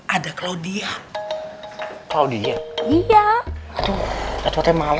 ada claudia claudia iya